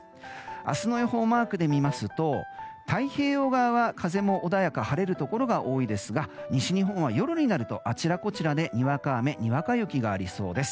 明日の予報をマークで見ますと太平洋側は風も穏やか、晴れるところが多いですが西日本は夜になるとあちらこちらでにわか雨、にわか雪がありそうです。